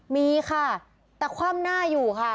มีค่ะแต่คว่ำหน้าอยู่ค่ะ